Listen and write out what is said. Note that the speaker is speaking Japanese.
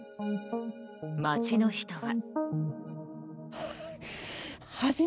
街の人は。